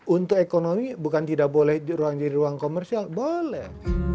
untuk ekonomi bukan tidak boleh ruang jadi ruang komersial boleh